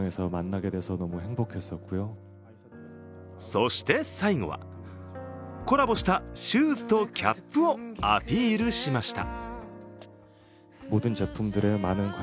そして最後はコラボしたシューズとキャップをアピールしました。